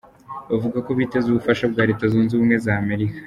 Bavuga ko biteze ubufasha bwa Leta Zunze Ubumwe za Amerika.